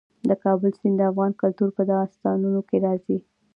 د کابل سیند د افغان کلتور په داستانونو کې راځي.